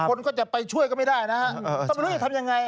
คนก็จะไปช่วยก็ไม่ได้นะครับต้องรู้ว่าจะทำอย่างไร